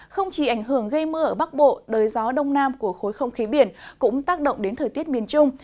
không chỉ ảnh hưởng gây mưa ở bắc bộ đới gió đông nam của khối không khí biển cũng tác động đến thời tiết miền trung